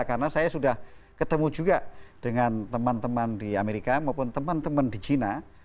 karena saya sudah ketemu juga dengan teman teman di amerika maupun teman teman di china